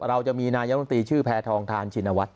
เราจะมีนายกรรมตรีชื่อแพทองทานชินวัฒ